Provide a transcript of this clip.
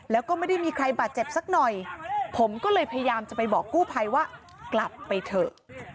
แล้วก็ไม่ได้มีใครบาดเจ็บสักหน่อยผมก็เลยพยายามจะไปบอกกู้ภัยว่ากลับไปเถอะ